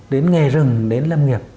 đến nghề rừng đến lâm nghiệp